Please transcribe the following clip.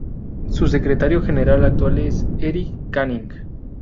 Su secretario general actual es Eric Canning.